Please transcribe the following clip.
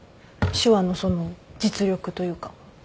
手話のその実力というか。